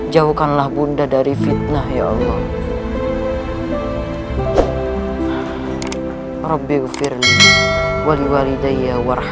jauhkanlah bunda dari fitnah ya allah